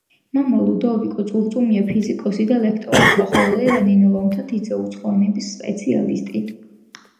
მამა, ლუდოვიკო წურწუმია ფიზიკოსი და ლექტორი იყო, ხოლო დედა, ნინო ლომთათიძე, უცხო ენების სპეციალისტი.